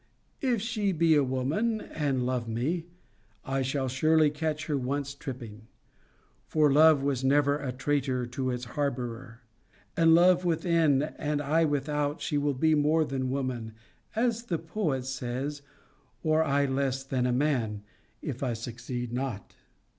If she be a woman, and love me, I shall surely catch her once tripping: for love was ever a traitor to its harbourer: and love within, and I without, she will be more than woman, as the poet says, or I less than man, if I succeed not.